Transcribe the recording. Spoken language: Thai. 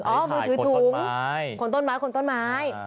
มือถือถุงคนต้นไม้คนต้นไม้